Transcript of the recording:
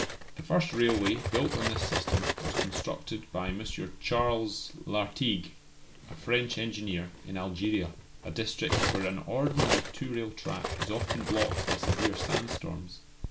The first railway built on this system was constructed by M. Charles Lartigue, a French engineer, in Algeria, a district where an ordinary two rail track is often blocked by severe sand storms.